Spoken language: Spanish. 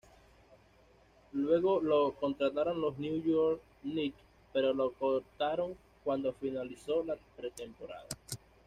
Luego lo contrataron los New York Knicks pero lo cortaron cuando finalizó la pretemporada.